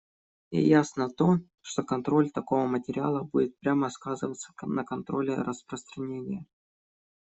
И ясно то, что контроль такого материала будет прямо сказываться на контроле распространения.